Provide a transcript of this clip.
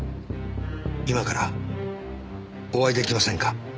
今からお会いできませんか？